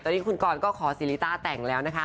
ตอนนี้คุณกรก็ขอซีริต้าแต่งแล้วนะคะ